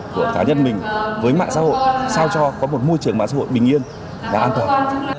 của cá nhân mình với mạng xã hội sao cho có một môi trường mạng xã hội bình yên và an toàn